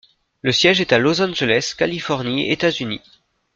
Le siège est à Los Angeles, Californie, États-Unis.